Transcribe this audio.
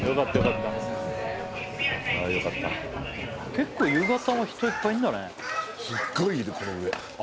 結構夕方も人いっぱいいるんだね。